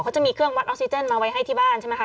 เขาจะมีเครื่องวัดออกซิเจนมาไว้ให้ที่บ้านใช่ไหมคะ